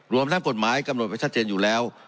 รวมทั้งกฎหมายกำหนดไว้ชัดเจนอยู่แล้ว